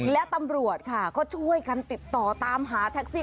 และตำรวจค่ะก็ช่วยกันติดต่อตามหาแท็กซี่